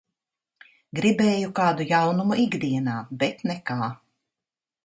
Gribēju kādu jaunumu ikdienā, bet nekā.